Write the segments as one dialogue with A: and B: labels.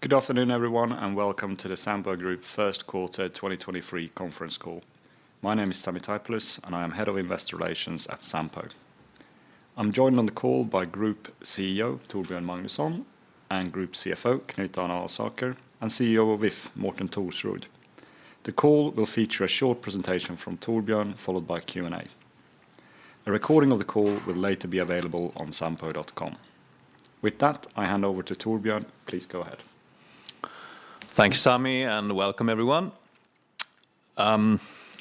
A: Good afternoon, everyone, and welcome to the Sampo Group first quarter 2023 conference call. My name is Sami Taipalus, and I am head of investor relations at Sampo. I'm joined on the call by Group CEO, Torbjörn Magnusson, and Group CFO, Knut Arne Alsaker, and CEO of If, Morten Thorsrud. The call will feature a short presentation from Torbjörn, followed by Q&A. A recording of the call will later be available on sampo.com. With that, I hand over to Torbjörn. Please go ahead.
B: Thanks, Sami, and welcome everyone.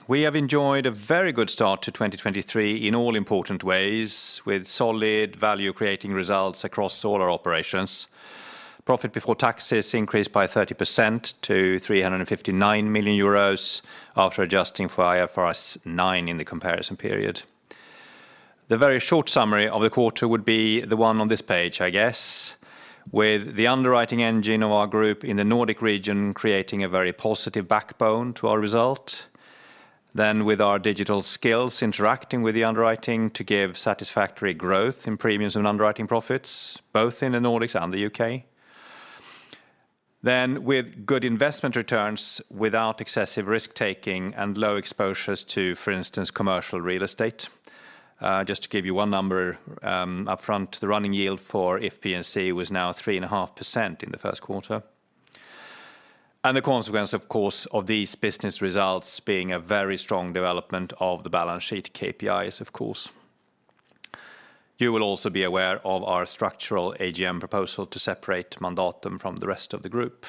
B: We have enjoyed a very good start to 2023 in all important ways, with solid value creating results across all our operations. Profit before taxes increased by 30% to 359 million euros after adjusting for IFRS 9 in the comparison period. The very short summary of the quarter would be the one on this page, I guess, with the underwriting engine of our group in the Nordic region creating a very positive backbone to our result. With our digital skills interacting with the underwriting to give satisfactory growth in premiums and underwriting profits, both in the Nordics and the UK. With good investment returns without excessive risk-taking and low exposures to, for instance, commercial real estate. Just to give you one number upfront, the running yield for If P&C was now 3.5% in the first quarter. The consequence, of course, of these business results being a very strong development of the balance sheet KPIs, of course. You will also be aware of our structural AGM proposal to separate Mandatum from the rest of the group.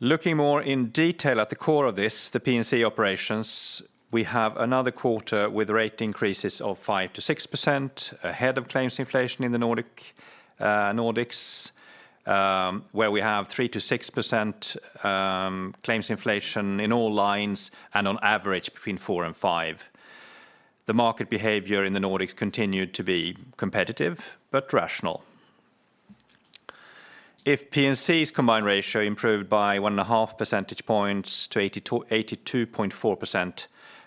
B: Looking more in detail at the core of this, the P&C operations, we have another quarter with rate increases of 5%-6% ahead of claims inflation in the Nordic Nordics, where we have 3%-6% claims inflation in all lines and on average between 4% and 5%. The market behavior in the Nordics continued to be competitive, but rational. If P&C's combined ratio improved by 1.5 percentage points to 82.4%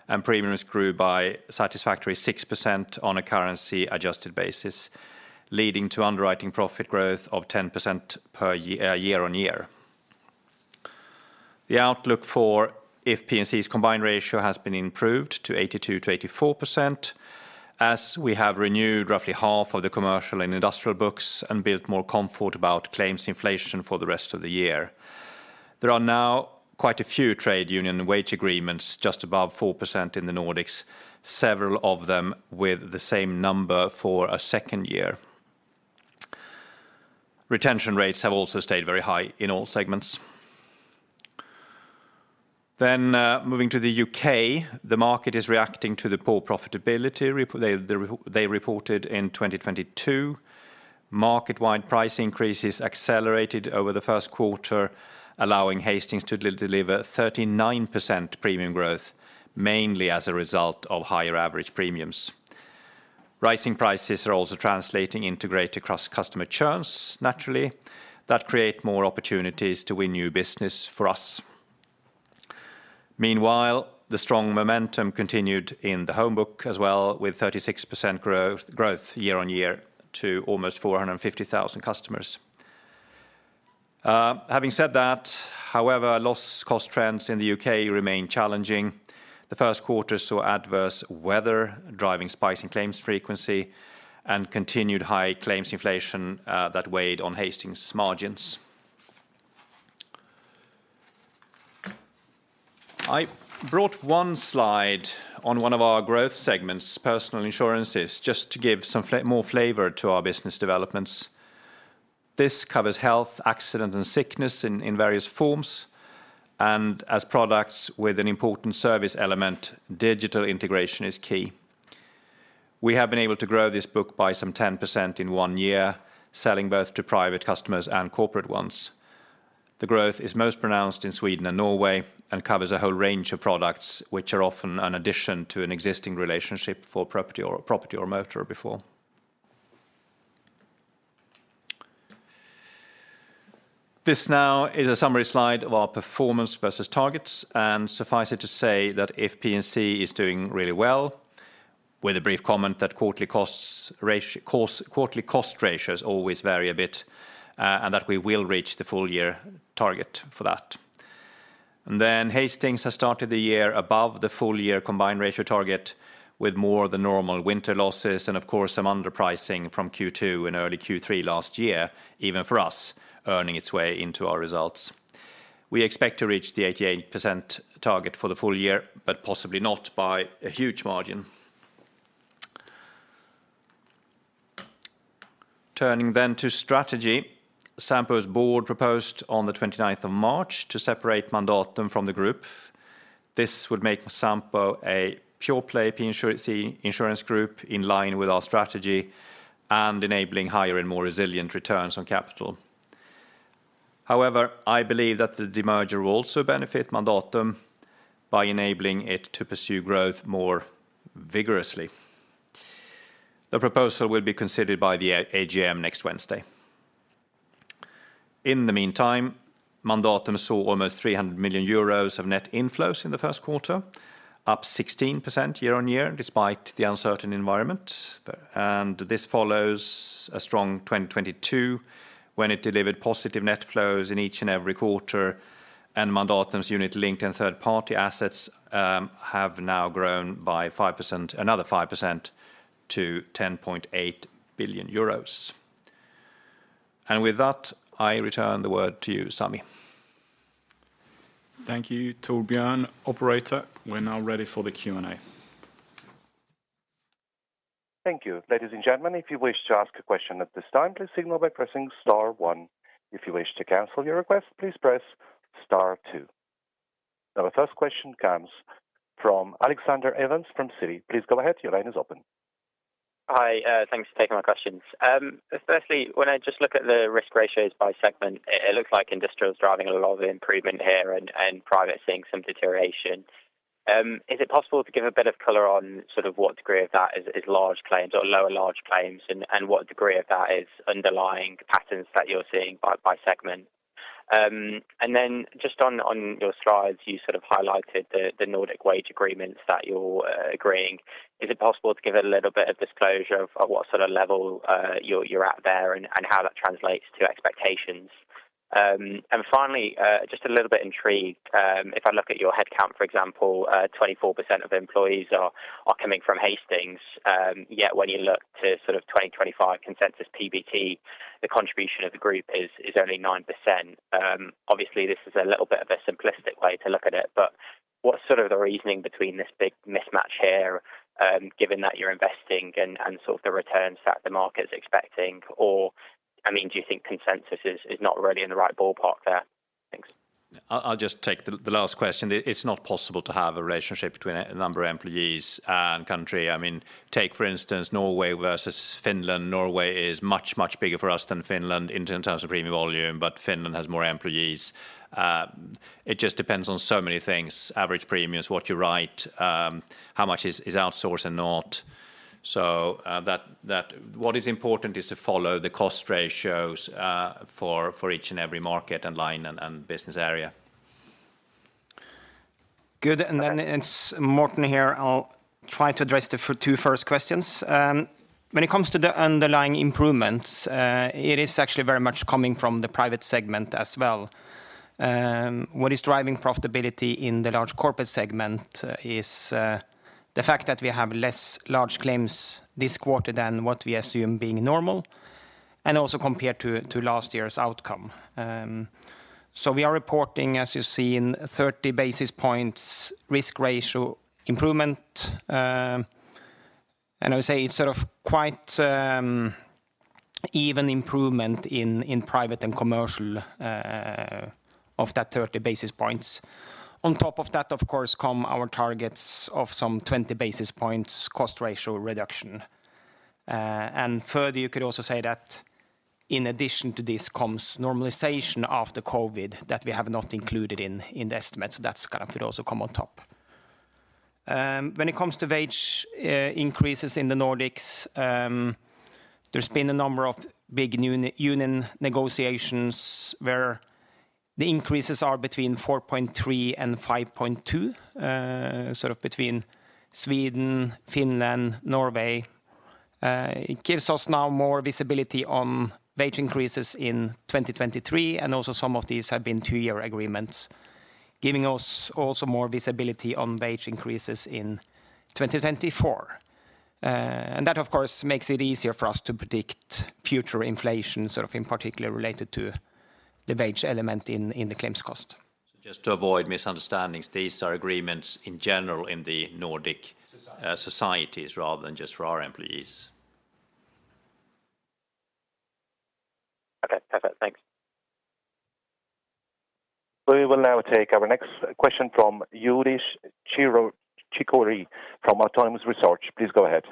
B: and premiums grew by satisfactory 6% on a currency adjusted basis, leading to underwriting profit growth of 10% per year on year. The outlook for If P&C's combined ratio has been improved to 82%-84%, as we have renewed roughly half of the commercial and industrial books and built more comfort about claims inflation for the rest of the year. There are now quite a few trade union wage agreements, just above 4% in the Nordics, several of them with the same number for a second year. Retention rates have also stayed very high in all segments. Moving to the U.K., the market is reacting to the poor profitability they reported in 2022. Market-wide price increases accelerated over the first quarter, allowing Hastings to de-deliver 39% premium growth, mainly as a result of higher average premiums. Rising prices are also translating into greater cross-customer churns, naturally, that create more opportunities to win new business for us. Meanwhile, the strong momentum continued in the home book as well, with 36% growth year on year to almost 450,000 customers. Having said that, however, loss cost trends in the U.K. remain challenging. The first quarter saw adverse weather driving spikes in claims frequency and continued high claims inflation that weighed on Hastings' margins. I brought one slide on one of our growth segments, personal insurances, just to give some more flavor to our business developments. This covers health, accident, and sickness in various forms. As products with an important service element, digital integration is key. We have been able to grow this book by some 10% in one year, selling both to private customers and corporate ones. The growth is most pronounced in Sweden and Norway and covers a whole range of products, which are often an addition to an existing relationship for property or motor before. This now is a summary slide of our performance versus targets. Suffice it to say that If P&C is doing really well, with a brief comment that quarterly cost, quarterly cost ratios always vary a bit, and that we will reach the full year target for that. Hastings has started the year above the full year combined ratio target with more than normal winter losses, of course, some underpricing from Q2 and early Q3 last year, even for us, earning its way into our results. We expect to reach the 88% target for the full year, but possibly not by a huge margin. Turning to strategy, Sampo's board proposed on the 29th of March to separate Mandatum from the group. This would make Sampo a pure play insurance group in line with our strategy and enabling higher and more resilient returns on capital. I believe that the demerger will also benefit Mandatum by enabling it to pursue growth more vigorously. The proposal will be considered by the AGM next Wednesday. In the meantime, Mandatum saw almost 300 million euros of net inflows in the first quarter, up 16% year-on-year despite the uncertain environment. This follows a strong 2022 when it delivered positive net flows in each and every quarter. Mandatum's unit-linked and third-party assets have now grown by 5%, another 5% to 10.8 billion euros. With that, I return the word to you, Sami.
A: Thank you, Torbjörn. Operator, we're now ready for the Q&A.
C: Thank you. Ladies and gentlemen, if you wish to ask a question at this time, please signal by pressing star one. If you wish to cancel your request, please press star two. The first question comes from Alexander Evans from Citi. Please go ahead. Your line is open.
D: Hi. Thanks for taking my questions. Firstly, when I just look at the risk ratios by segment, it looks like industrial is driving a lot of the improvement here and private seeing some deterioration. Is it possible to give a bit of color on sort of what degree of that is large claims or lower large claims and what degree of that is underlying patterns that you're seeing by segment? Just on your slides, you sort of highlighted the Nordic wage agreements that you're agreeing. Is it possible to give a little bit of disclosure of what sort of level you're at there and how that translates to expectations? Finally, just a little bit intrigued, if I look at your headcount, for example, 24% of employees are coming from Hastings. When you look to sort of 2025 consensus PBT, the contribution of the group is only 9%. Obviously this is a little bit of a simplistic way to look at it, but what's sort of the reasoning between this big mismatch here, given that you're investing and sort of the returns that the market is expecting? I mean, do you think consensus is not really in the right ballpark there? Thanks.
B: I'll just take the last question. It's not possible to have a relationship between a number of employees and country. I mean, take, for instance, Norway versus Finland. Norway is much bigger for us than Finland in terms of premium volume, but Finland has more employees. It just depends on so many things, average premiums, what you write, how much is outsourced and not. What is important is to follow the cost ratios for each and every market and line and business area.
E: Good. It's Morten here. I'll try to address the two first questions. When it comes to the underlying improvements, it is actually very much coming from the private segment as well. What is driving profitability in the large corporate segment is the fact that we have less large claims this quarter than what we assume being normal and also compared to last year's outcome. We are reporting, as you see, in 30 basis points risk ratio improvement. I would say it's sort of quite even improvement in private and commercial of that 30 basis points. On top of that, of course, come our targets of some 20 basis points cost ratio reduction. Further, you could also say that in addition to this comes normalization after COVID that we have not included in the estimate. That's kind of it also come on top. When it comes to wage increases in the Nordics, there's been a number of big union negotiations where the increases are between 4.3 and 5.2, sort of between Sweden, Finland, Norway. It gives us now more visibility on wage increases in 2023, and also some of these have been two-year agreements, giving us also more visibility on wage increases in 2024. That of course, makes it easier for us to predict future inflation, sort of in particular related to the wage element in the claims cost.
B: Just to avoid misunderstandings, these are agreements in general in the Nordic societies rather than just for our employees.
D: Okay, perfect. Thanks.
C: We will now take our next question from Youdish Chicooree from Autonomous Research. Please go ahead.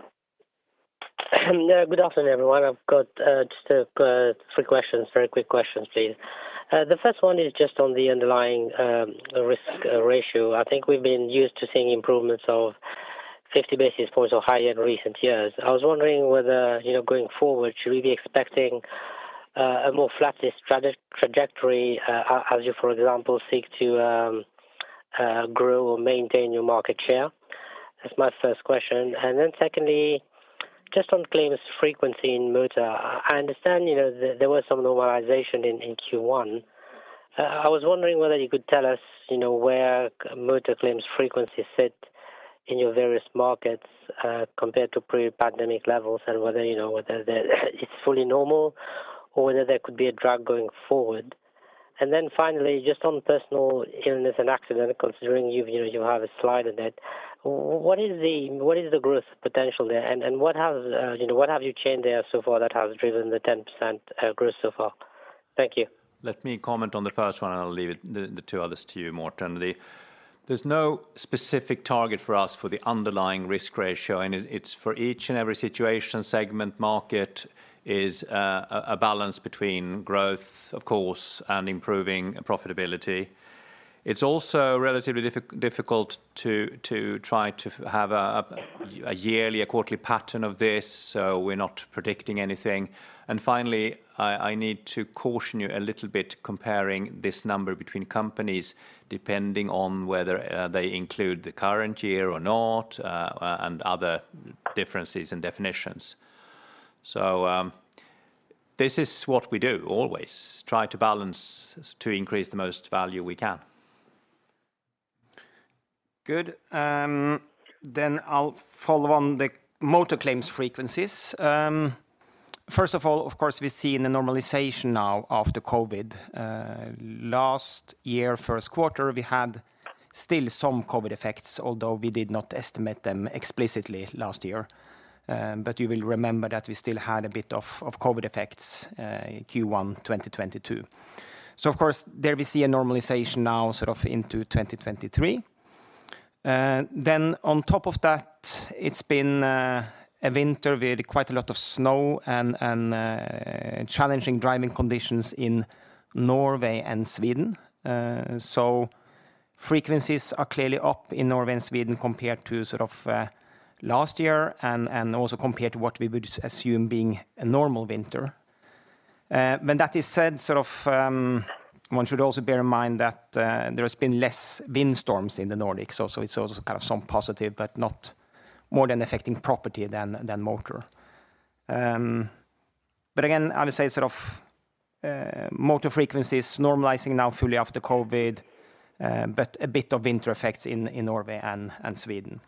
F: Good afternoon, everyone. I've got just three questions, very quick questions, please. The first one is just on the underlying risk ratio. I think we've been used to seeing improvements of 50 basis points or higher in recent years. I was wondering whether, you know, going forward, should we be expecting a more flattish trajectory as you, for example, seek to grow or maintain your market share? That's my first question. Secondly, just on claims frequency in motor. I understand, you know, there was some normalization in Q1. I was wondering whether you could tell us, you know, where motor claims frequency sit in your various markets compared to pre-pandemic levels and whether, you know, it's fully normal or whether there could be a drag going forward. Finally, just on personal illness and accidental, considering you've, you know, you have a slide on it, what is the growth potential there? What have, you know, what have you changed there so far that has driven the 10% growth so far? Thank you.
B: Let me comment on the first one. I'll leave it the two others to you, Morten. There's no specific target for us for the underlying risk ratio, and it's for each and every situation, segment, market is a balance between growth, of course, and improving profitability. It's also relatively difficult to try to have a yearly, a quarterly pattern of this, so we're not predicting anything. Finally, I need to caution you a little bit comparing this number between companies, depending on whether they include the current year or not, and other differences in definitions. This is what we do always, try to balance to increase the most value we can.
E: Good. I'll follow on the motor claims frequencies. First of all, of course, we've seen a normalization now after COVID. Last year first quarter, we had still some COVID effects, although we did not estimate them explicitly last year. You will remember that we still had a bit of COVID effects in Q1 2022. Of course, there we see a normalization now sort of into 2023. On top of that, it's been a winter with quite a lot of snow and challenging driving conditions in Norway and Sweden. Frequencies are clearly up in Norway and Sweden compared to sort of last year and also compared to what we would assume being a normal winter. When that is said, one should also bear in mind that there has been less windstorms in the Nordics. It's also kind of some positive, but not more than affecting property than motor. Again, I would say motor frequency is normalizing now fully after COVID, but a bit of winter effects in Norway and Sweden.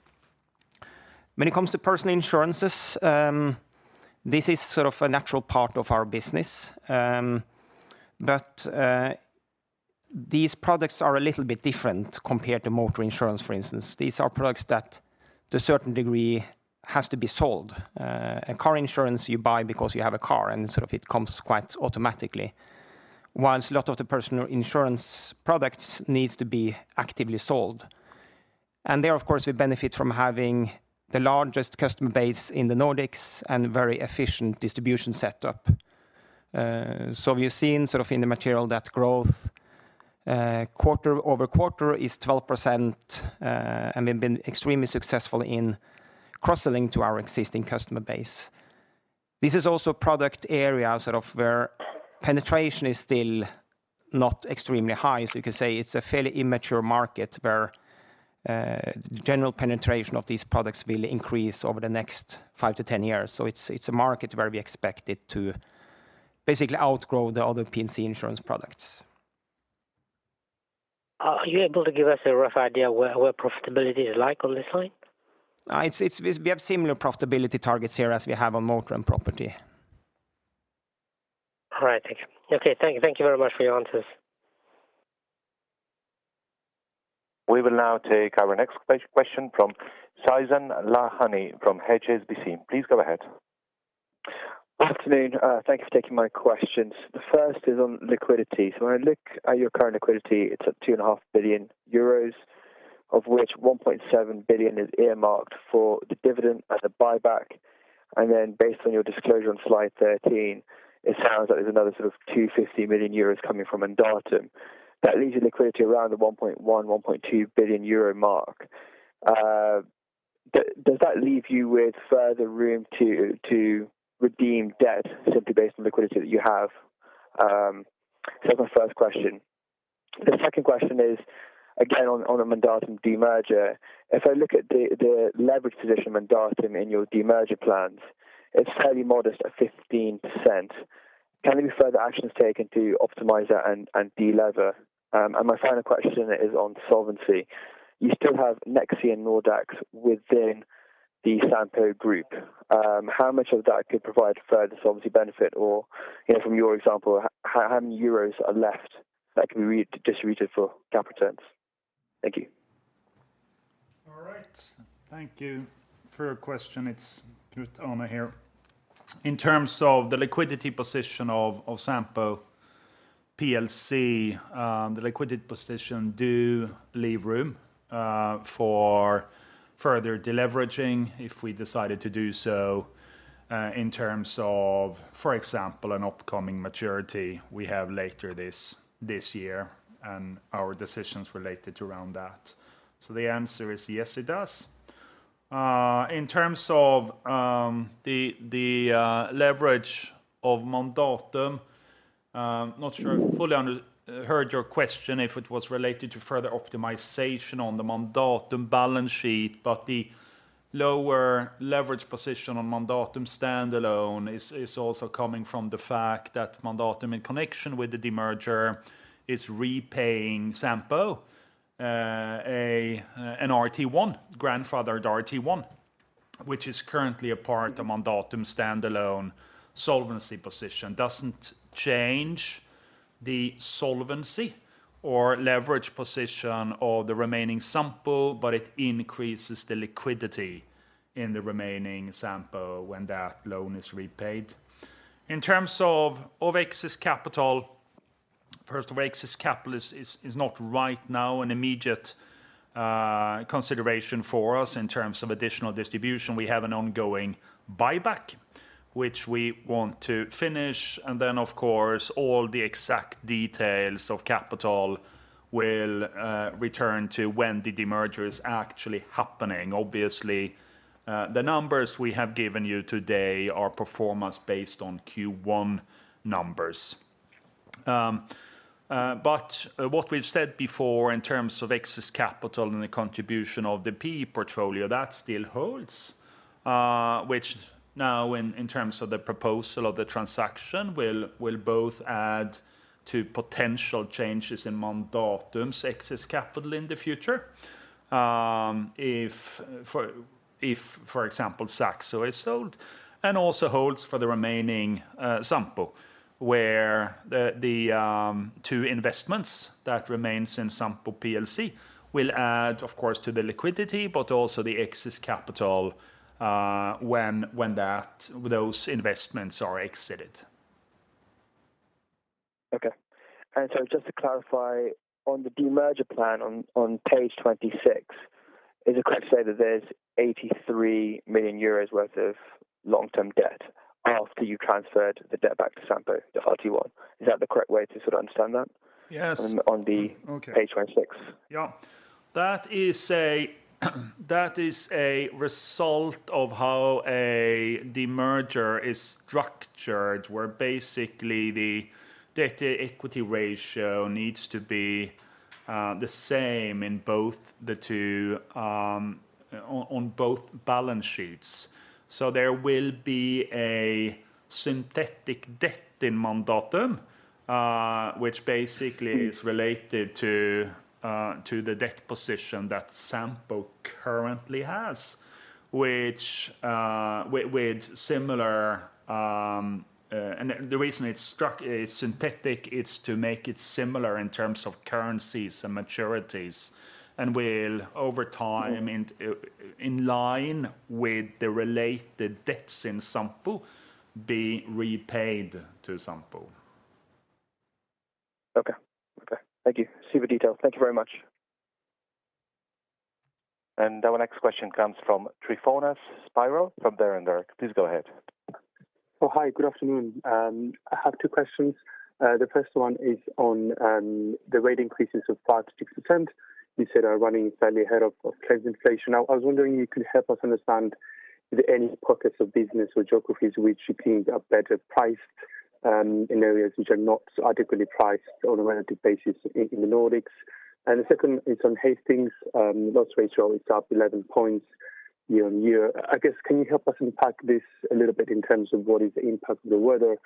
E: When it comes to personal insurances, this is a natural part of our business. These products are a little bit different compared to motor insurance, for instance. These are products that to a certain degree has to be sold. A car insurance you buy because you have a car, and it comes quite automatically. Whilst a lot of the personal insurance products needs to be actively sold. There, of course, we benefit from having the largest customer base in the Nordics and very efficient distribution setup. We've seen sort of in the material that growth quarter-over-quarter is 12%. We've been extremely successful in cross-selling to our existing customer base. This is also a product area sort of where penetration is still not extremely high. You could say it's a fairly immature market where the general penetration of these products will increase over the next five to 10 years. It's a market where we expect it to basically outgrow the other P&C insurance products.
F: Are you able to give us a rough idea where profitability is like on this line?
E: We have similar profitability targets here as we have on motor and property.
F: All right. Thank you. Okay. Thank you. Thank you very much for your answers.
C: We will now take our next question from Faizan Lakhani from HSBC. Please go ahead.
G: Afternoon. Thank you for taking my questions. The first is on liquidity. When I look at your current liquidity, it's at 2.5 billion euros, of which 1.7 billion is earmarked for the dividend and the buyback. Based on your disclosure on slide 13, it sounds like there's another sort of 250 million euros coming from Mandatum. That leaves your liquidity around the 1.1 billion-1.2 billion euro mark. Does that leave you with further room to redeem debt simply based on liquidity that you have? That's my first question. The second question is again on a Mandatum demerger. If I look at the leverage position Mandatum in your demerger plans, it's fairly modest at 15%. Can any further actions taken to optimize that and delever? My final question is on solvency. You still have Nexi and Nordax within the Sampo Group. How much of that could provide further solvency benefit? You know, from your example, how many euros are left that can be re-distributed for capital returns? Thank you.
H: All right. Thank you for your question. It's Knut Arne Alsaker here. In terms of the liquidity position of Sampo plc, the liquidity position do leave room for further deleveraging if we decided to do so, in terms of, for example, an upcoming maturity we have later this year and our decisions related around that. The answer is yes, it does. In terms of the leverage of Mandatum, not sure if I fully under-heard your question, if it was related to further optimization on the Mandatum balance sheet. The lower leverage position on Mandatum standalone is also coming from the fact that Mandatum, in connection with the demerger, is repaying Sampo an RT1, grandfathered RT1, which is currently a part of Mandatum standalone solvency position. Doesn't change the solvency or leverage position of the remaining Sampo, it increases the liquidity in the remaining Sampo when that loan is repaid. First of excess capital is not right now an immediate consideration for us in terms of additional distribution. We have an ongoing buyback which we want to finish, then of course, all the exact details of capital will return to when the demerger is actually happening. Obviously, the numbers we have given you today are performance based on Q1 numbers. What we've said before in terms of excess capital and the contribution of the P portfolio, that still holds, which now in terms of the proposal of the transaction will both add to potential changes in Mandatum's excess capital in the future, if for example, Saxo is sold and also holds for the remaining Sampo, where the two investments that remains in Sampo plc will add of course to the liquidity but also the excess capital, when those investments are exited.
G: Okay. Just to clarify, on the demerger plan on page 26, is it correct to say that there's 83 million euros worth of long-term debt after you transferred the debt back to Sampo, the RT1? Is that the correct way to sort of understand that?
H: Yes.
G: On the.
H: Okay.
G: Page 26.
H: Yeah. That is a result of how a demerger is structured, where basically the debt to equity ratio needs to be the same in both the two on both balance sheets. There will be a synthetic debt in Mandatum, which basically is related to the debt position that Sampo currently has, which with similar. The reason it's synthetic it's to make it similar in terms of currencies and maturities, and will over time in line with the related debts in Sampo be repaid to Sampo.
G: Okay. Thank you. Super detail. Thank you very much.
C: Our next question comes from Tryfonas Spyrou from Berenberg. Please go ahead.
I: Hi. Good afternoon. I have two questions. The first one is on the rate increases of 5%-6% you said are running slightly ahead of claims inflation. Now, I was wondering if you could help us understand if there are any pockets of business or geographies which you think are better priced in areas which are not adequately priced on a relative basis in the Nordics. The second is on Hastings. Loss ratio is up 11 points year-on-year. I guess, can you help us unpack this a little bit in terms of what is the impact of the weather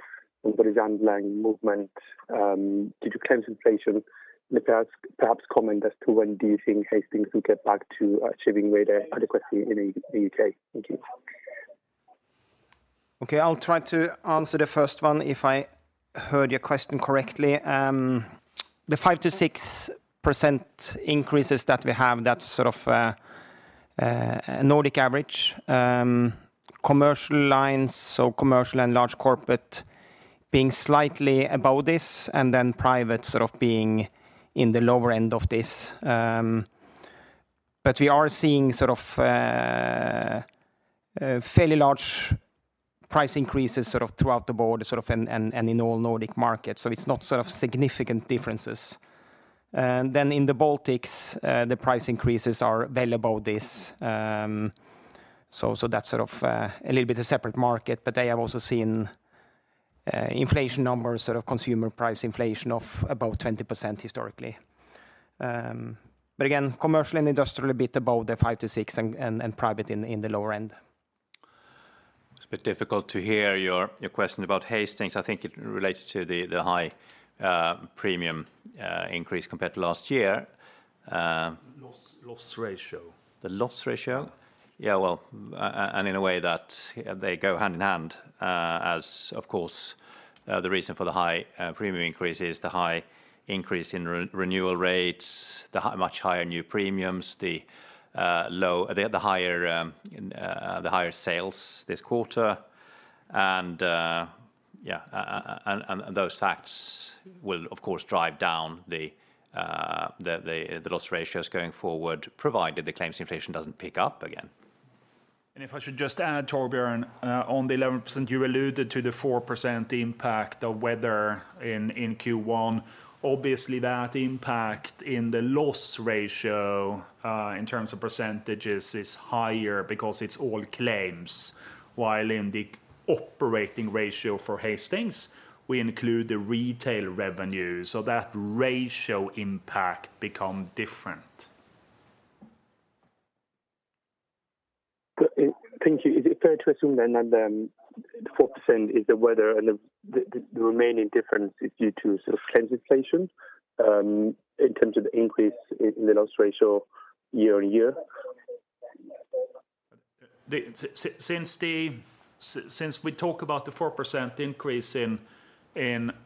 I: and what is underlying movement due to claims inflation? If you perhaps comment as to when do you think Hastings will get back to achieving rate adequately in U.K. Thank you.
E: Okay. I'll try to answer the first one if I heard your question correctly. The 5%-6% increases that we have, that's sort of a Nordic average. Commercial lines, so commercial and large corporate being slightly above this, and then private sort of being in the lower end of this. We are seeing sort of fairly large price increases sort of throughout the board and in all Nordic markets, so it's not sort of significant differences. In the Baltics, the price increases are well above this. So that's sort of a little bit a separate market. They have also seen inflation numbers, sort of consumer price inflation of above 20% historically. Again, commercial and industrial a bit above the five to six, and private in the lower end.
B: It's a bit difficult to hear your question about Hastings. I think it related to the high premium increase compared to last year.
H: Loss, loss ratio.
B: The loss ratio? Yeah. Well, and in a way that they go hand in hand, as of course, the reason for the high premium increase is the high increase in renewal rates, much higher new premiums, the higher sales this quarter. Yeah, and those facts will of course drive down the loss ratios going forward, provided the claims inflation doesn't pick up again.
H: If I should just add, Torbjörn, on the 11%, you alluded to the 4% impact of weather in Q1. Obviously, that impact in the loss ratio, in terms of percentages is higher because it's all claims. While in the operating ratio for Hastings, we include the retail revenue, so that ratio impact become different.
I: Good. Thank you. Is it fair to assume then that the 4% is the weather and the remaining difference is due to sort of claims inflation, in terms of the increase in the loss ratio year-on-year?
H: Since we talk about the 4% increase in,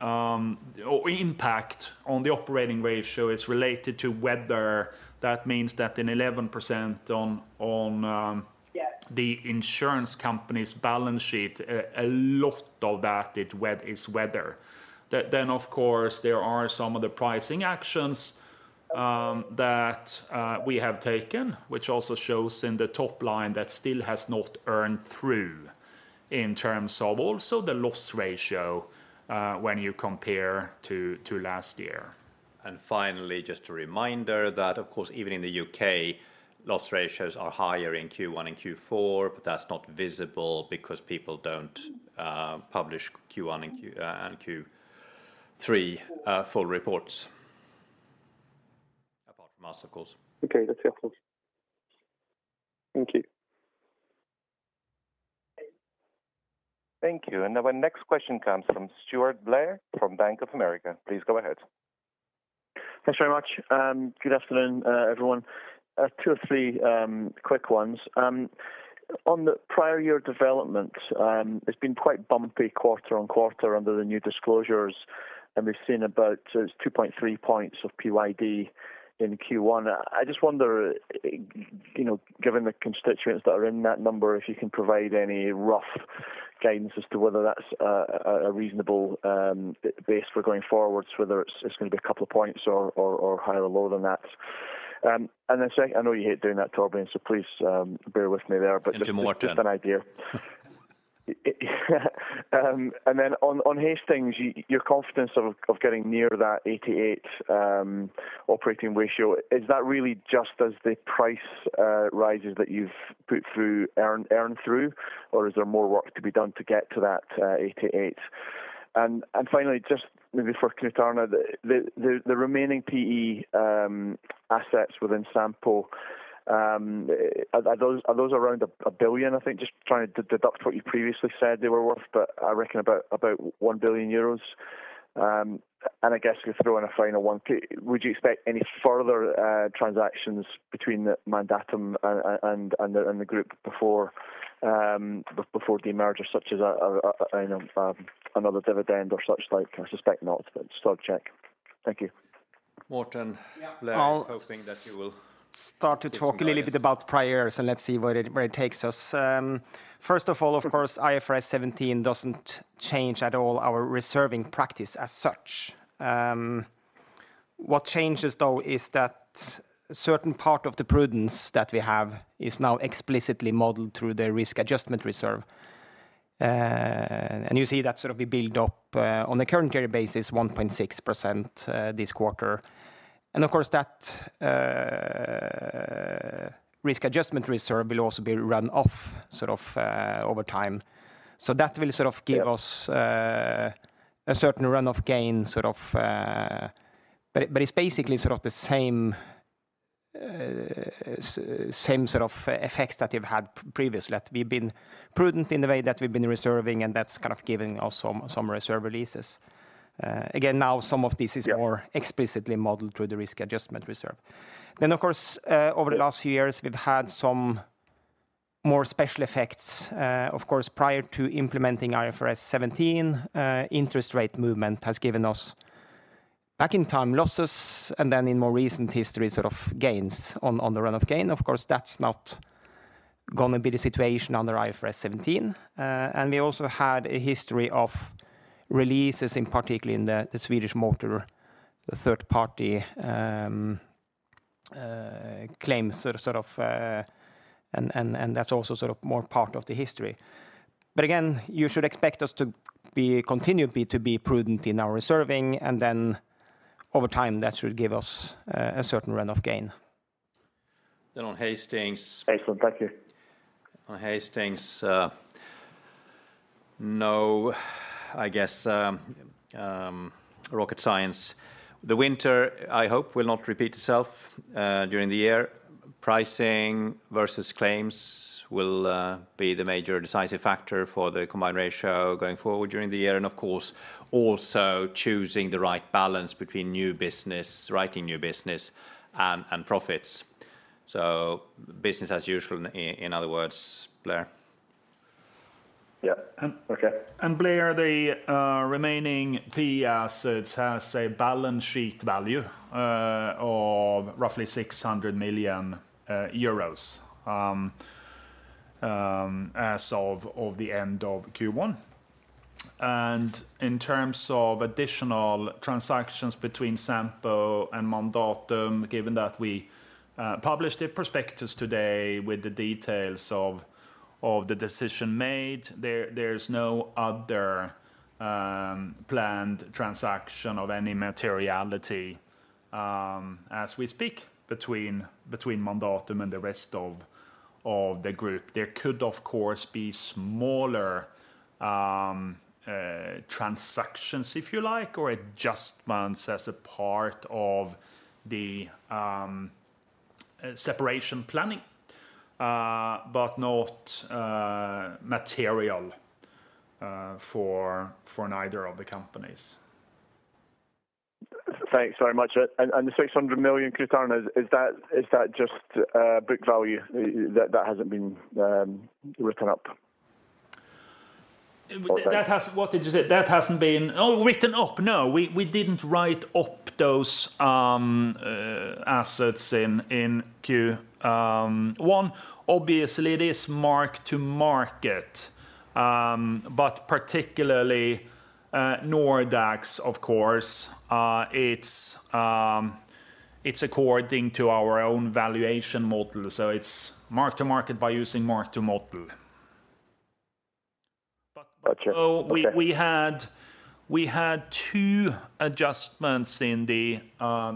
H: or impact on the operating ratio is related to weather, that means that in 11% on the insurance company's balance sheet, a lot of that is weather. Of course, there are some of the pricing actions that we have taken, which also shows in the top line that still has not earned through in terms of also the loss ratio when you compare to last year.
B: Finally, just a reminder that of course, even in the U.K., loss ratios are higher in Q1 and Q4, but that's not visible because people don't publish Q1 and Q and Q3 full reports. Apart from us, of course.
I: Okay. That's helpful. Thank you.
C: Thank you. Our next question comes from Stewart Blair from Bank of America. Please go ahead.
J: Thanks very much. Good afternoon, everyone. Two or three quick ones. On the prior year development, it's been quite bumpy quarter-on-quarter under the new disclosures, and we've seen about 2.3 points of PYD in Q1. I just wonder, you know, given the constituents that are in that number, if you can provide any rough guidance as to whether that's a reasonable base for going forwards, whether it's gonna be a couple of points or higher or lower than that. Second, I know you hate doing that, Torbjörn, so please, bear with me there.
B: Give him more then.
J: Just an idea. Then on Hastings, your confidence of getting near that 88% operating ratio, is that really just as the price rises that you've put through earn through, or is there more work to be done to get to that 88%? Finally, just maybe for Knut Arne, the remaining PE assets within Sampo, are those around 1 billion, I think? Just trying to deduct what you previously said they were worth, but I reckon about 1 billion euros. I guess could throw in a final one. Would you expect any further transactions between the Mandatum and the group before demerger, such as you know, another dividend or such like? I suspect not, but just thought I'd check. Thank you.
B: Morten, Blair is hoping that you will.
E: Start to talk a little bit about the priors, and let's see where it takes us. First of all, of course, IFRS 17 doesn't change at all our reserving practice as such. What changes though is that certain part of the prudence that we have is now explicitly modeled through the risk adjustment reserve. You see that sort of we build up on a current carry basis 1.6% this quarter. Of course, that risk adjustment reserve will also be run off sort of over time. That will sort of give us.
J: Yeah
E: A certain run of gain, sort of. It's basically sort of the same sort of effects that we've had previously, that we've been prudent in the way that we've been reserving, and that's kind of given us some reserve releases. Again, now some of this is more explicitly modeled through the Risk Adjustment reserve. Of course, over the last few years, we've had some more special effects. Of course, prior to implementing IFRS 17, interest rate movement has given us back in time losses, and then in more recent history, sort of gains on the run of gain. Of course, that's not gonna be the situation under IFRS 17. We also had a history of releases, in particular in the Swedish motor, the third party claim sort of... That's also sort of more part of the history. Again, you should expect us to be continually to be prudent in our reserving, and then over time, that should give us a certain run of gain.
B: On Hastings.
J: Excellent. Thank you.
B: On Hastings, no, I guess, rocket science. The winter, I hope, will not repeat itself during the year. Pricing versus claims will be the major decisive factor for the combined ratio going forward during the year. Of course, also choosing the right balance between new business, writing new business and profits. Business as usual, in other words, Blair.
J: Yeah. Okay.
H: Blair, the remaining PE assets has a balance sheet value of roughly EUR 600 million as of the end of Q1. In terms of additional transactions between Sampo and Mandatum, given that we published a prospectus today with the details of the decision made, there's no other planned transaction of any materiality as we speak between Mandatum and the rest of the group. There could of course be smaller transactions, if you like, or adjustments as a part of the separation planning, but not material for neither of the companies.
J: Thanks very much. The 600 million, Knut Arne, is that just book value that hasn't been written up?
H: That hasn't... What did you say? That hasn't been written up? No, we didn't write up those assets in Q1. Obviously, it is mark to market.
E: Nordax of course, it's according to our own valuation model. It's mark to market by using mark to model.
J: Got you. Okay.
E: We had two adjustments in the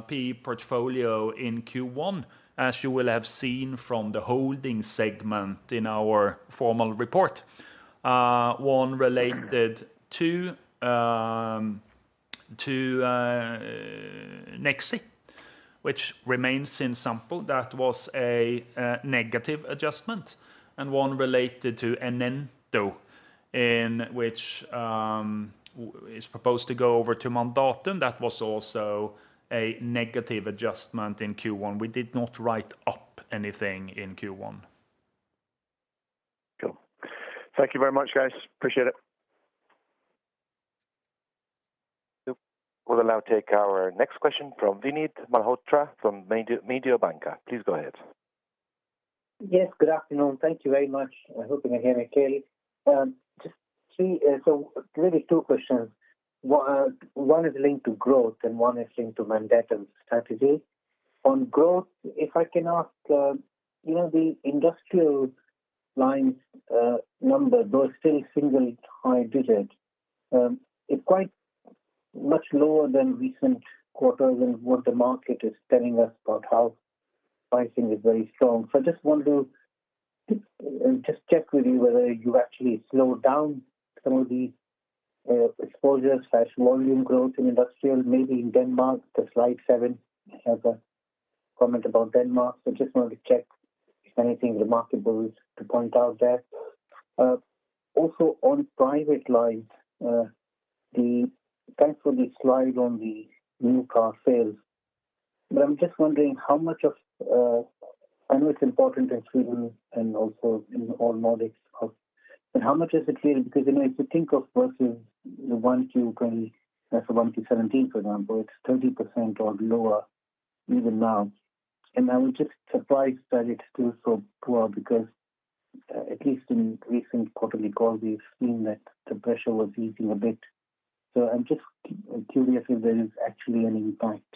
E: P portfolio in Q1, as you will have seen from the holding segment in our formal report. One related to Nexi, which remains in Sampo. That was a negative adjustment. One related to NN Do in which is proposed to go over to Mandatum. That was also a negative adjustment in Q1. We did not write up anything in Q1.
J: Cool. Thank you very much, guys. Appreciate it.
C: We'll now take our next question from Vinit Malhotra from Mediobanca. Please go ahead. Yes, good afternoon. Thank you very much. Talking again to Carrie. Really two questions. One is linked to growth and one is linked to Mandatum strategy. On growth, if I can ask, you know, the industrial lines, number, though still single high digit, is quite much lower than recent quarters and what the market is telling us about how pricing is very strong. I just wanted to just check with you whether you actually slowed down some of the exposures/volume growth in industrial, maybe in Denmark, the slide 7 has a comment about Denmark. Just wanted to check if anything remarkable is to point out there. On private lines, thanks for the slide on the new car sales.
K: I'm just wondering how much of, I know it's important in Sweden and also in all Nordics of, but how much is it clear? If you think of versus the 1Q 20... That's 1Q 17, for example, it's 30% or lower even now. I was just surprised that it's still so poor because at least in recent quarterly calls, we've seen that the pressure was easing a bit. I'm just curious if there is actually an impact,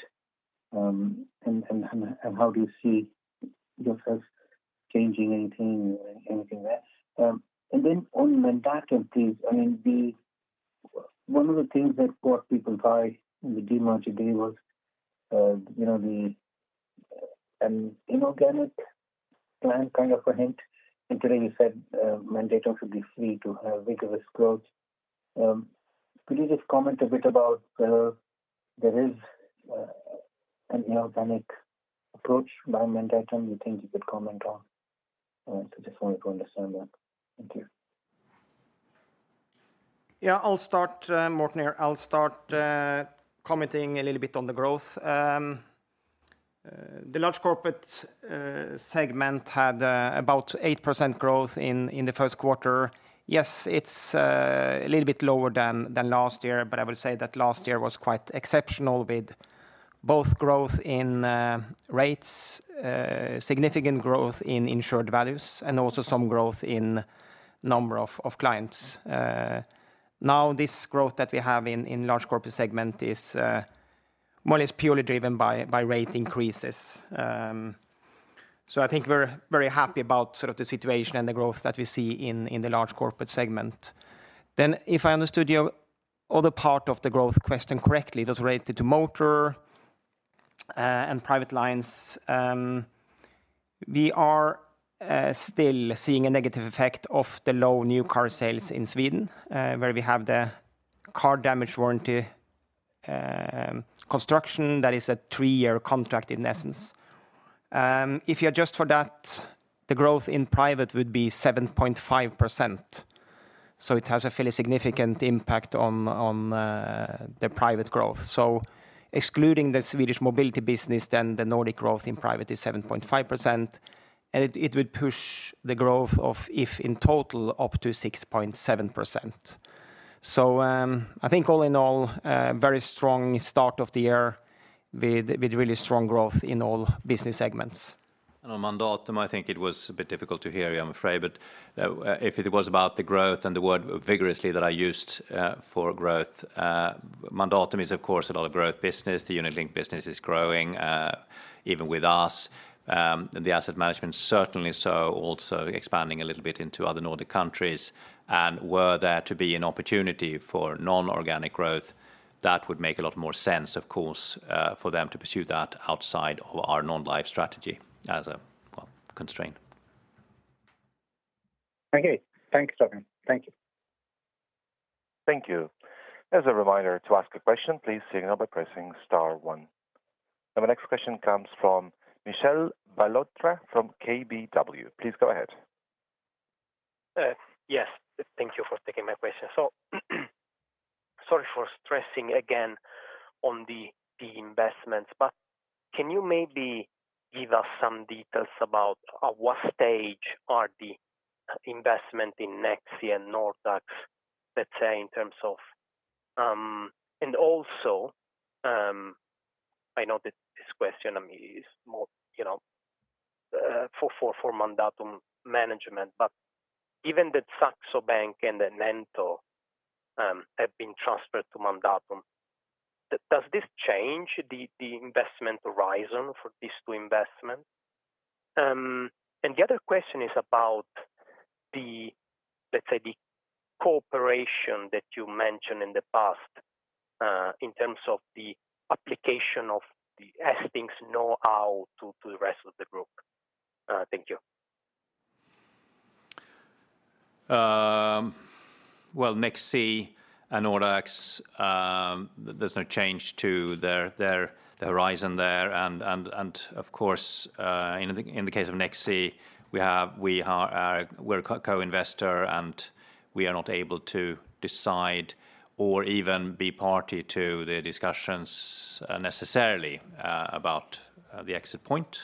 K: and how do you see yourself changing anything or anything there? On Mandatum, please. I mean, one of the things that caught people's eye in the demerger day was the inorganic plan, kind of a hint. Today you said Mandatum should be free to have vigorous growth. Could you just comment a bit about there is an inorganic approach by Mandatum you think you could comment on? Just wanted to understand that. Thank you.
E: I'll start, Morten here. I'll start commenting a little bit on the growth. The large corporate segment had about 8% growth in the first quarter. Yes, it's a little bit lower than last year, but I will say that last year was quite exceptional with both growth in rates, significant growth in insured values and also some growth in number of clients. Now this growth that we have in large corporate segment is more or less purely driven by rate increases. I think we're very happy about sort of the situation and the growth that we see in the large corporate segment. If I understood your other part of the growth question correctly, it was related to motor and private lines. We are still seeing a negative effect of the low new car sales in Sweden, where we have the car damage warranty construction that is a three year contract in essence. If you adjust for that, the growth in private would be 7.5%. It has a fairly significant impact on the private growth. Excluding the Swedish mobility business, then the Nordic growth in private is 7.5%, and it would push the growth of If in total up to 6.7%. I think all in all, very strong start of the year with really strong growth in all business segments.
B: On Mandatum, I think it was a bit difficult to hear you, I'm afraid. If it was about the growth and the word vigorously that I used, for growth, Mandatum is of course a lot of growth business. The unit-linked business is growing, even with us. The asset management certainly so also expanding a little bit into other Nordic countries. Were there to be an opportunity for non-organic growth, that would make a lot more sense, of course, for them to pursue that outside of our non-life strategy as a, well, constraint.
C: Okay. Thanks, Torbjörn. Thank you. Thank you. As a reminder to ask a question, please signal by pressing star one. Our next question comes from Michele Ballatore from KBW. Please go ahead.
L: Yes. Thank you for taking my question. Sorry for stressing again on the investments, but can you maybe give us some details about at what stage are the investment in Nexi and Nordax, let's say, in terms of? Also, I know that this question, I mean, is more, you know, for Mandatum management. Even the Saxo Bank and the Mandatum have been transferred to Mandatum. Does this change the investment horizon for these two investments? The other question is about the, let's say the cooperation that you mentioned in the past, in terms of the application of the Hastings know-how to the rest of the group. Thank you.
H: Well, Nexi and Nordax, there's no change to their horizon there. Of course, in the case of Nexi, we're a co-investor, and we are not able to decide or even be party to the discussions necessarily about the exit point.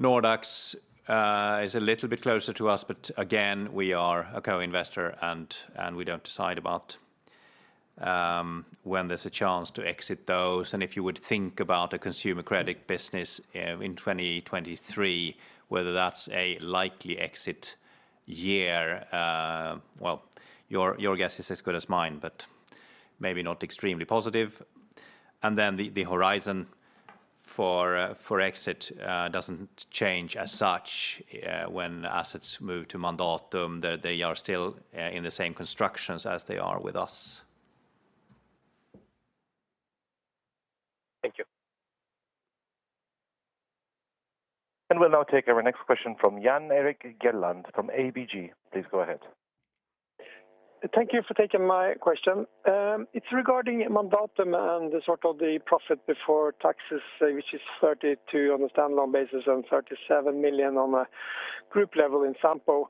H: Nordax is a little bit closer to us, but again, we are a co-investor and we don't decide about when there's a chance to exit those. If you would think about a consumer credit business in 2023, whether that's a likely exit year, well, your guess is as good as mine, but maybe not extremely positive. The horizon for exit doesn't change as such when assets move to Mandatum. They are still in the same constructions as they are with us.
L: Thank you.
C: We'll now take our next question from Jan Erik Gjerland from ABG. Please go ahead.
M: Thank you for taking my question. It's regarding Mandatum and the sort of the profit before taxes, which is 32 on a standalone basis and 37 million on a group level in Sampo.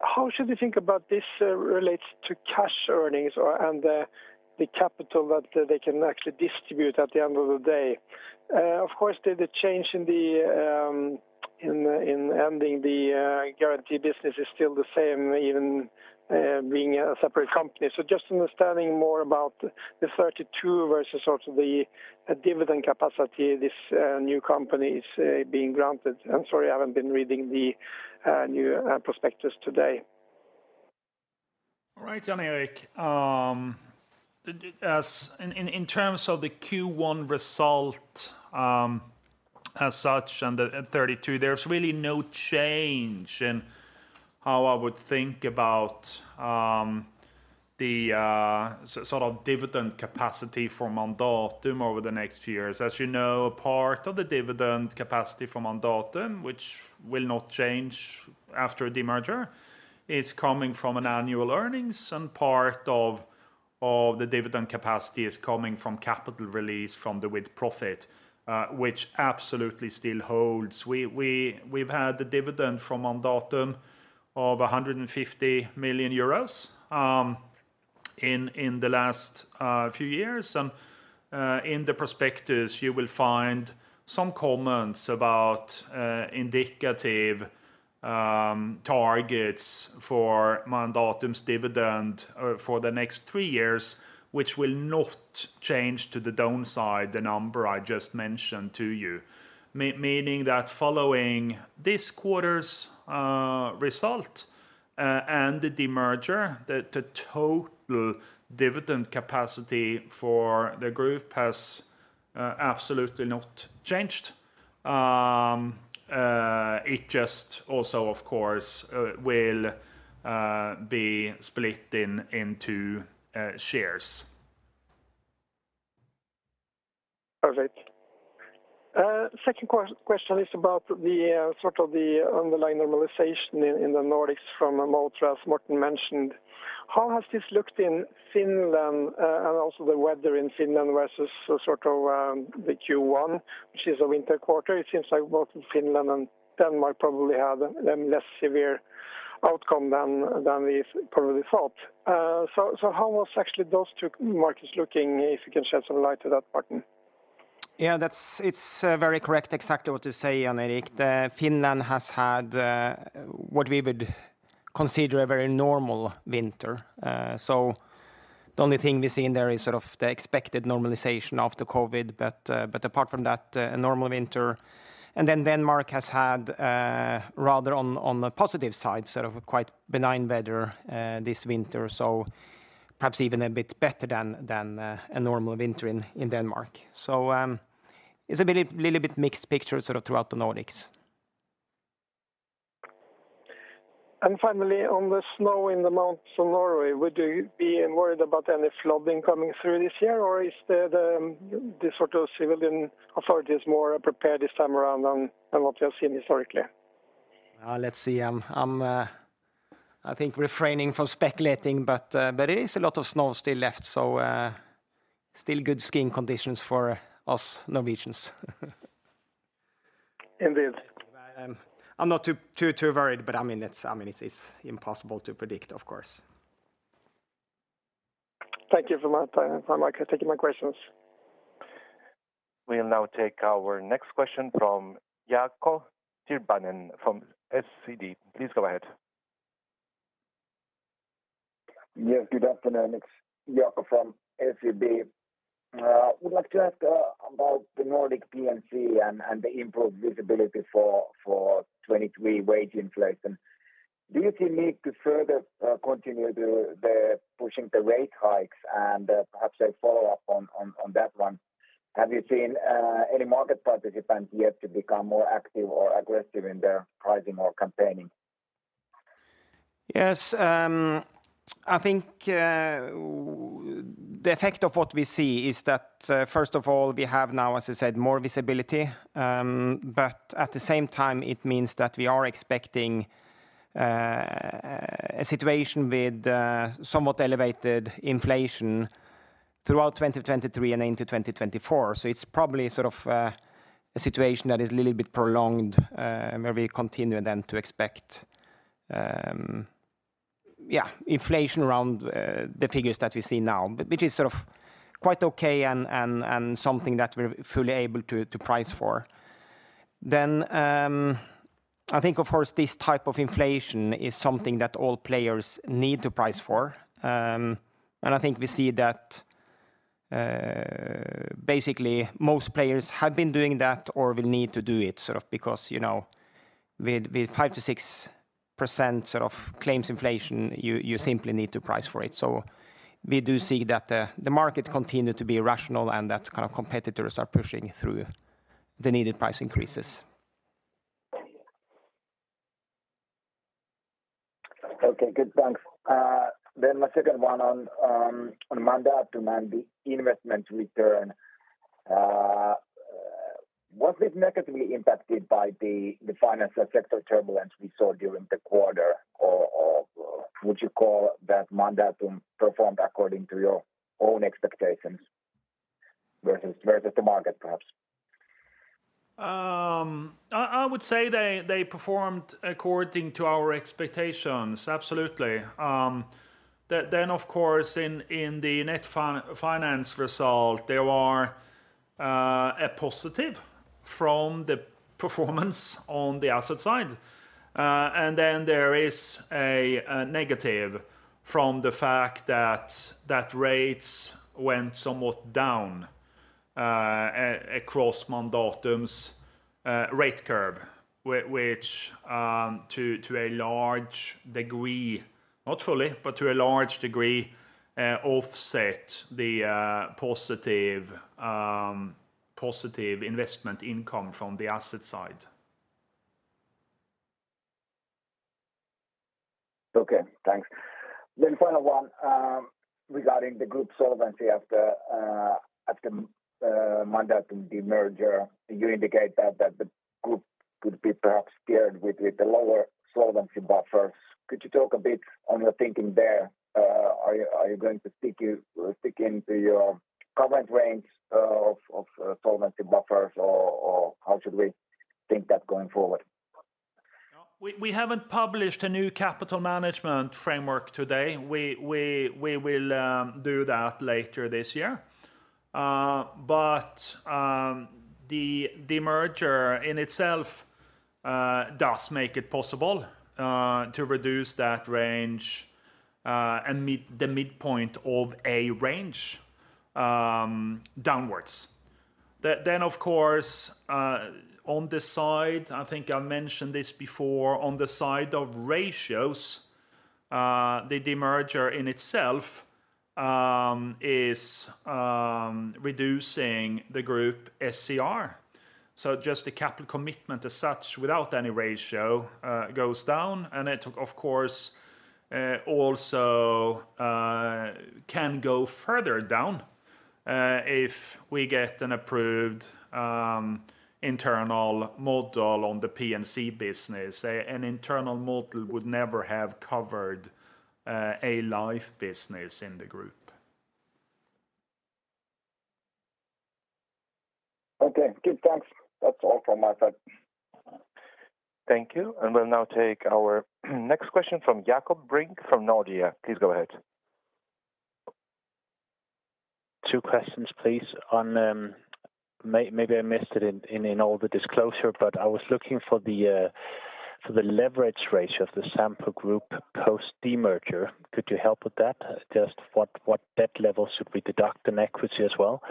M: How should we think about this, relates to cash earnings and the capital that they can actually distribute at the end of the day? Of course, the change in the, in ending the guaranteed business is still the same, even being a separate company. Just understanding more about the 32 versus sort of the dividend capacity this new company is being granted. I'm sorry, I haven't been reading the new prospectus today.
H: All right, Jan-Erik. As in terms of the Q1 result, as such and the 32, there's really no change in how I would think about the sort of dividend capacity for Mandatum over the next few years. You know, part of the dividend capacity for Mandatum, which will not change after demerger, is coming from an annual earnings and part of the dividend capacity is coming from capital release from the with-profits, which absolutely still holds. We've had the dividend from Mandatum of 150 million euros in the last few years. In the prospectus, you will find some comments about indicative targets for Mandatum's dividend for the next three years, which will not change to the downside the number I just mentioned to you. Meaning that following this quarter's result, and the demerger, the total dividend capacity for the group has absolutely not changed. It just also, of course, will be split into shares.
M: Perfect. second question is about the sort of the underlying normalization in the Nordics from a low trust Morten mentioned. How has this looked in Finland and also the weather in Finland versus sort of the Q1, which is a winter quarter? It seems like both Finland and Denmark probably had a less severe outcome than we probably thought. How was actually those two markets looking, if you can shed some light to that, Morten?
E: Yeah, it's very correct exactly what you say, Jan-Erik. The Finland has had what we would consider a very normal winter. The only thing we've seen there is sort of the expected normalization after COVID. Apart from that, a normal winter. Denmark has had rather on the positive side, sort of quite benign weather this winter. Perhaps even a bit better than a normal winter in Denmark. It's a bit, little bit mixed picture sort of throughout the Nordics.
M: Finally, on the snow in the mountains of Norway, would you be worried about any flooding coming through this year? Or is the sort of civilian authorities more prepared this time around than what we have seen historically?
H: Let's see. I'm, I think refraining from speculating, but it is a lot of snow still left, so still good skiing conditions for us Norwegians.
M: Indeed.
H: I'm not too worried, but I mean, it's, I mean, it's impossible to predict, of course.
M: Thank you very much. For taking my questions.
C: We'll now take our next question from Jaakko Tyrväinen from SEB. Please go ahead.
N: Yes, good afternoon. It's Jacob from SEB. Would like to ask about the Nordic P&C and the improved visibility for 23 wage inflation. Do you see need to further continue the pushing the rate hikes? Perhaps a follow-up on that one, have you seen any market participants yet to become more active or aggressive in their pricing or campaigning?
H: Yes. I think the effect of what we see is that first of all, we have now, as I said, more visibility. At the same time, it means that we are expecting a situation with somewhat elevated inflation throughout 2023 and into 2024. It's probably sort of a situation that is a little bit prolonged, where we continue to expect, yeah, inflation around the figures that we see now. Which is sort of quite okay and something that we're fully able to price for. I think of course, this type of inflation is something that all players need to price for. I think we see that basically most players have been doing that or will need to do it sort of because, you know, with 5% to 6% sort of claims inflation, you simply need to price for it. We do see that the market continued to be rational and that kind of competitors are pushing through the needed price increases.
N: Okay, good. Thanks. My second one on Mandatum and the investment return. Was this negatively impacted by the financial sector turbulence we saw during the quarter? Or would you call that Mandatum performed according to your own expectations versus the market perhaps?
H: I would say they performed according to our expectations. Absolutely. Then of course, in the net finance result, there are a positive from the performance on the asset side. Then there is a negative from the fact that rates went somewhat down across Mandatum's rate curve, which to a large degree, not fully, but to a large degree, offset the positive investment income from the asset side.
N: Okay, thanks. Final one, regarding the group solvency after Mandatum demerger, you indicate that the group could be perhaps scared with the lower solvency buffers. Could you talk a bit on your thinking there? Are you going to stick your current range of solvency buffers or how should we think that going forward?
H: We haven't published a new capital management framework today. We will do that later this year. The demerger in itself does make it possible to reduce that range and meet the midpoint of a range downwards. Of course, on the side, I think I mentioned this before, on the side of ratios, the demerger in itself is reducing the group SCR. Just the capital commitment as such without any ratio goes down. It of course also can go further down if we get an approved internal model on the P&C business. An internal model would never have covered a life business in the group.
N: Okay. Good. Thanks. That's all from my side.
C: Thank you. We'll now take our next question from Jakob Brink from Nordea. Please go ahead.
O: Two questions please, on. Maybe I missed it in all the disclosure, but I was looking for the leverage ratio of the Sampo Group post demerger. Could you help with that? Just what debt level should we deduct in equity as well?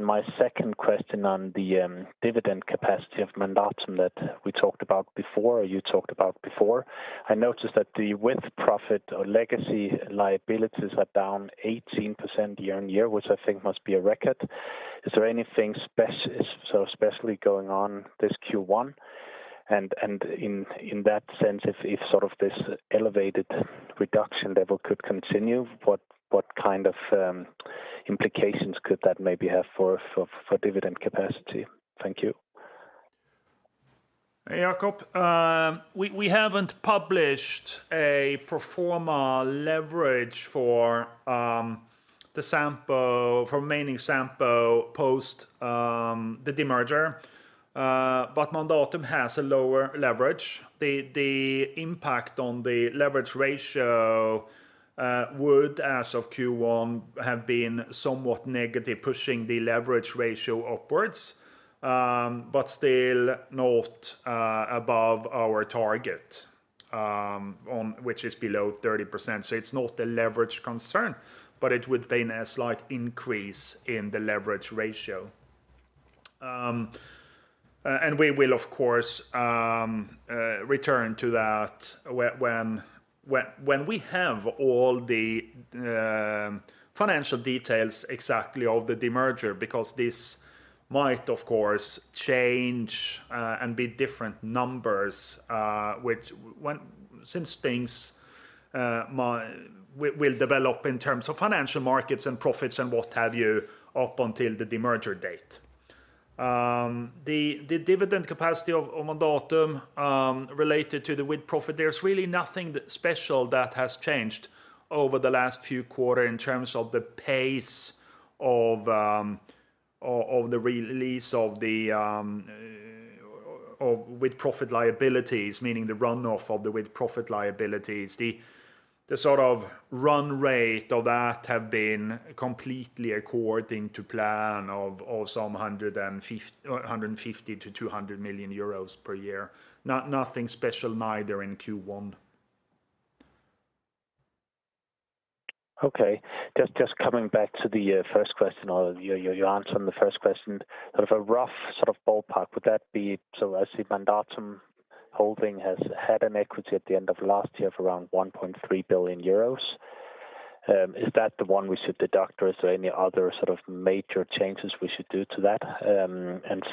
O: My second question on the dividend capacity of Mandatum that we talked about before, or you talked about before. I noticed that the with-profits or legacy liabilities are down 18% year-on-year, which I think must be a record. Is there anything so specially going on this Q1? In that sense, if sort of this elevated reduction level could continue, what kind of implications could that maybe have for dividend capacity? Thank you.
H: Hey, Jacob. We haven't published a pro forma leverage for the Sampo, for remaining Sampo post the demerger. Mandatum has a lower leverage. The impact on the leverage ratio would as of Q1 have been somewhat negative, pushing the leverage ratio upwards, but still not above our target. On which is below 30%. It's not a leverage concern, but it would have been a slight increase in the leverage ratio. We will of course return to that when we have all the financial details exactly of the demerger because this might of course change and be different numbers, which since things will develop in terms of financial markets and profits and what have you up until the demerger date. The, the dividend capacity of Mandatum, related to the with-profits, there's really nothing special that has changed over the last few quarter in terms of the pace of the release of the, of with-profits liabilities, meaning the run off of the with-profits liabilities. The, the sort of run rate of that have been completely according to plan of some 150 million-200 million euros per year. Nothing special neither in Q1.
O: Okay. Just coming back to the first question or your answer on the first question. Sort of a rough ballpark, would that be? As Mandatum Holding has had an equity at the end of last year of around 1.3 billion euros, is that the one we should deduct or is there any other sort of major changes we should do to that?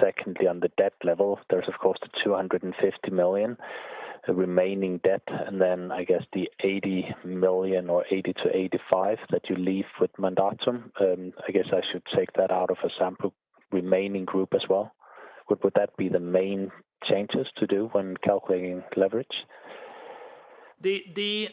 O: Secondly, on the debt level, there's of course the 250 million remaining debt, and then I guess the 80 million or 80-85 that you leave with Mandatum. I guess I should take that out of a Sampo remaining group as well. Would that be the main changes to do when calculating leverage?
H: The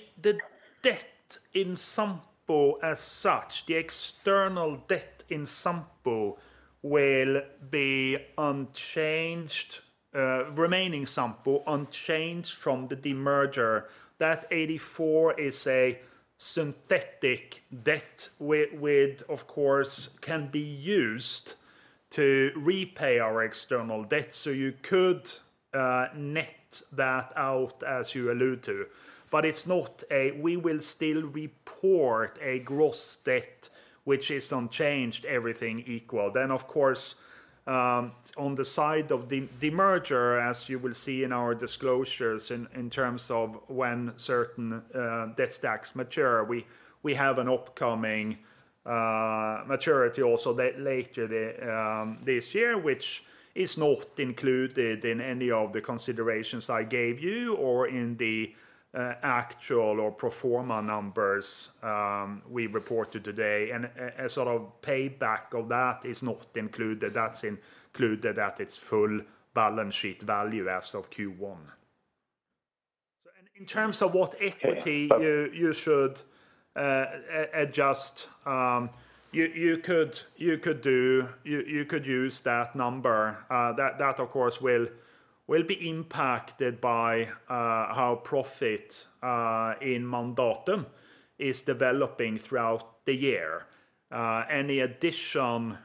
H: debt in Sampo as such, the external debt in Sampo will be unchanged, remaining Sampo unchanged from the demerger. That 84 is a synthetic debt which of course can be used to repay our external debt. You could net that out as you allude to. It's not we will still report a gross debt which is unchanged everything equal. Of course, on the side of the demerger, as you will see in our disclosures in terms of when certain debt stacks mature, we have an upcoming maturity also later this year, which is not included in any of the considerations I gave you or in the actual or pro forma numbers we reported today. A sort of payback of that is not included. That's included at its full balance sheet value as of Q1. In terms of what equity you should adjust, you could use that number. That of course will be impacted by how profit in Mandatum is developing throughout the year. Any addition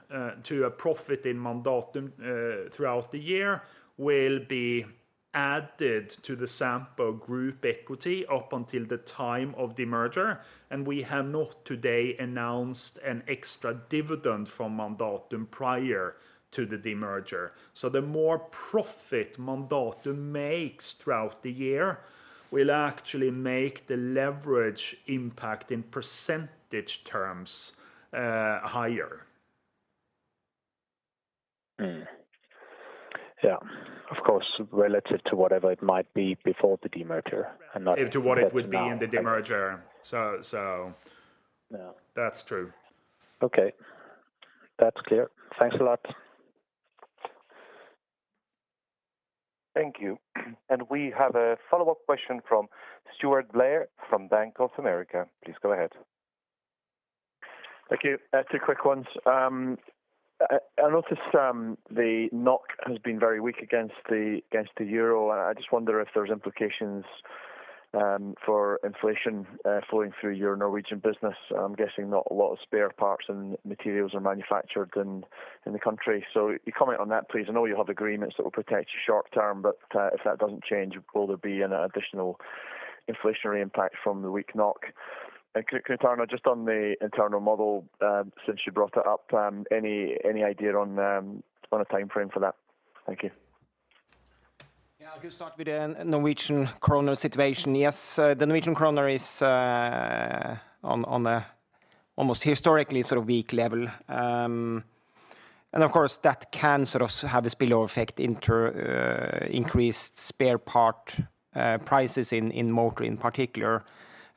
H: to a profit in Mandatum throughout the year will be added to the Sampo Group equity up until the time of demerger. We have not today announced an extra dividend from Mandatum prior to the demerger. The more profit Mandatum makes throughout the year will actually make the leverage impact in percentage terms higher.
O: Yeah. Of course, relative to whatever it might be before the demerger and.
H: To what it would be in the demerger. So.
O: Yeah.
H: That's true.
O: Okay. That's clear. Thanks a lot.
C: Thank you. We have a follow-up question from Stewart Blair from Bank of America. Please go ahead.
J: Thank you. two quick ones. I noticed the NOK has been very weak against the euro. I just wonder if there's implications for inflation flowing through your Norwegian business. I'm guessing not a lot of spare parts and materials are manufactured in the country. Your comment on that, please. I know you have agreements that will protect you short term, but if that doesn't change, will there be an additional inflationary impact from the weak NOK? could I turn now just on the internal model since you brought that up, any idea on a time frame for that? Thank you.
E: Yeah. I'll just start with the Norwegian kroner situation. Yes. The Norwegian kroner is on a almost historically sort of weak level. Of course, that can sort of have a spillover effect increased spare part prices in motor in particular.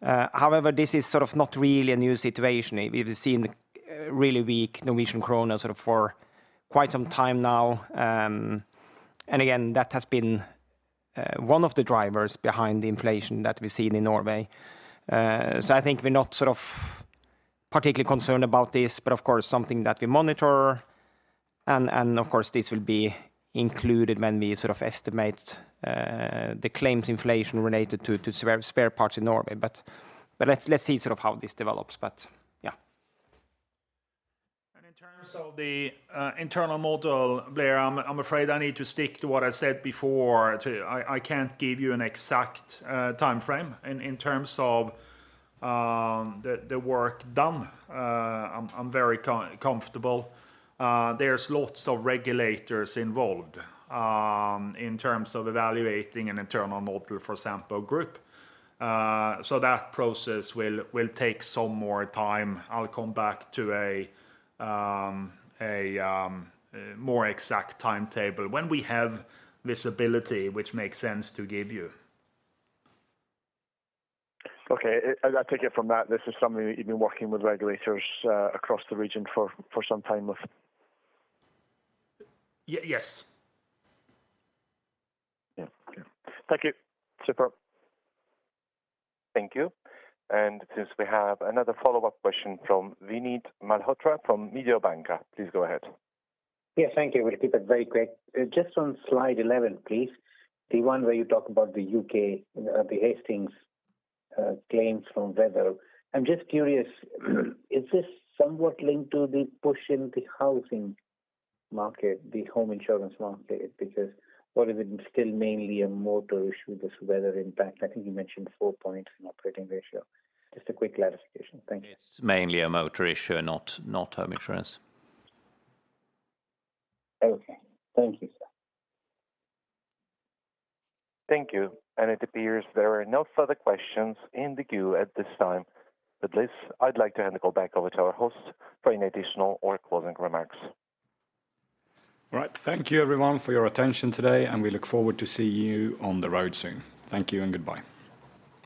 E: However, this is sort of not really a new situation. We've seen the really weak Norwegian kroner sort of for quite some time now. Again, that has been one of the drivers behind the inflation that we've seen in Norway. I think we're not sort of particularly concerned about this, but of course something that we monitor and of course, this will be included when we sort of estimate the claims inflation related to spare parts in Norway. Let's see sort of how this develops. Yeah.
H: The internal model, Blair, I'm afraid I need to stick to what I said before. I can't give you an exact timeframe. In terms of the work done, I'm very comfortable. There's lots of regulators involved in terms of evaluating an internal model for Hastings Group. That process will take some more time. I'll come back to a more exact timetable when we have visibility, which makes sense to give you.
J: Okay. I take it from that this is something that you've been working with regulators across the region for some time with.
H: Yes.
J: Okay. Thank you. Superb.
C: Thank you. Since we have another follow-up question from Vinit Malhotra from Mediobanca, please go ahead.
K: Yes, thank you. We'll keep it very quick. Just on slide 11, please, the one where you talk about the U.K., the Hastings claims from weather. I'm just curious, is this somewhat linked to the push in the housing market, the home insurance market? Is it still mainly a motor issue, this weather impact? I think you mentioned four points in operating ratio. Just a quick clarification. Thank you.
B: It's mainly a motor issue, not home insurance.
K: Okay. Thank you, sir.
C: Thank you. It appears there are no further questions in the queue at this time. With this, I'd like to hand the call back over to our host for any additional or closing remarks.
A: All right. Thank you everyone for your attention today, and we look forward to see you on the road soon. Thank you and goodbye.